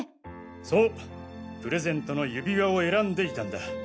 そうプレゼントの指輪を選んでいたんだ。